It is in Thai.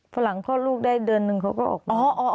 พอหลังคลอดลูกได้เดือนนึงเขาก็ออกอ๋อ